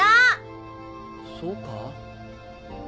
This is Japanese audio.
そうかぁ？